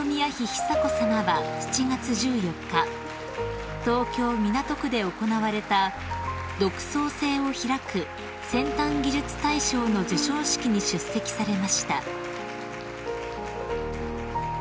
久子さまは７月１４日東京港区で行われた「独創性を拓く先端技術大賞」の授賞式に出席されました］